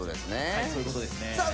はいそういうことですねさあ